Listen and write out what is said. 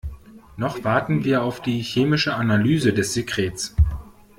Noch warten wir auf die chemische Analyse des Sekrets.